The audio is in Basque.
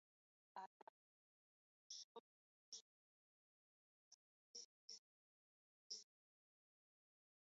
Halaber, show erakustaldi horretan garrantzi berezia izango du argiztapenak.